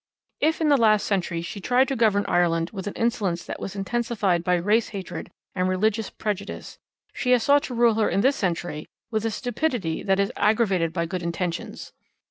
If in the last century she tried to govern Ireland with an insolence that was intensified by race hatred and religious prejudice, she has sought to rule her in this century with a stupidity that is aggravated by good intentions.